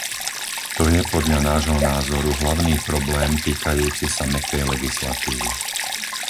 To je, podľa nášho názoru, hlavný problém týkajúci sa mäkkej legislatívy.